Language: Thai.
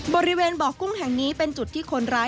บริเวณบ่อกุ้งแห่งนี้เป็นจุดที่คนร้าย